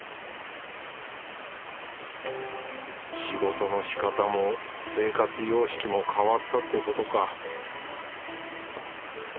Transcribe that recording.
仕事のしかたも生活様式も変わったってことか